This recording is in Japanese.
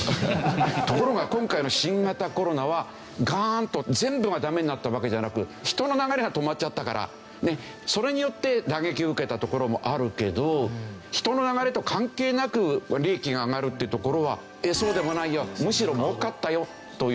ところが今回の新型コロナはガーンと全部がダメになったわけじゃなく人の流れが止まっちゃったからそれによって打撃を受けたところもあるけど人の流れと関係なく利益が上がるっていうところはそうでもないよむしろ儲かったよという。